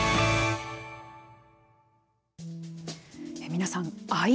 皆さん